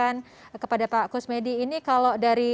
untuk kuliah penuh dari negara negara notarik